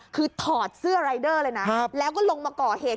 คือถอดเสื้อรายเดอร์เลยนะแล้วก็ลงมาก่อเหตุ